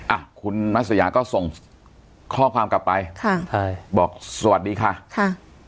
อ่ะคุณมัสยาก็ส่งข้อความกลับไปค่ะใช่บอกสวัสดีค่ะค่ะ